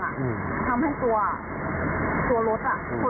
ทำให้ตัวรถคนกลเวียงขึ้นไปบนสายคลมรถแล้วก็ลากมา๑๔๑๕มิตร